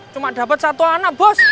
cuma dapat satu anak bos